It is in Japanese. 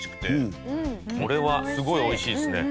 これはすごい美味しいですね。